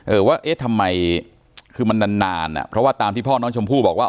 ว่าเอ๊ะทำไมคือมันนานนานอ่ะเพราะว่าตามที่พ่อน้องชมพู่บอกว่า